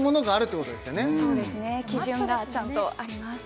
そうですね基準がちゃんとあります